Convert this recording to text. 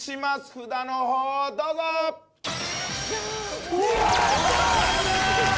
札のほうをどうぞやった！